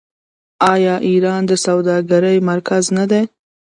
آیا ایران د سوداګرۍ مرکز نه دی؟